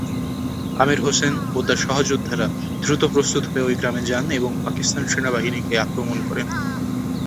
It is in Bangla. আমির হোসেন ও তার সহযোদ্ধারা দ্রুত প্রস্তুত হয়ে ওই গ্রামে যান এবং পাকিস্তান সেনাবাহিনীকে আক্রমণ করেন।